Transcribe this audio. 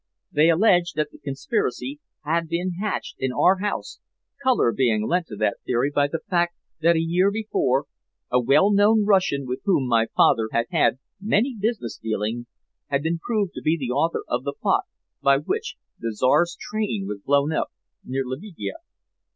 They alleged that the conspiracy had been hatched in our house, color being lent to that theory by the fact that a year before a well known Russian with whom my father had had many business dealings had been proved to be the author of the plot by which the Czar's train was blown up near Lividia.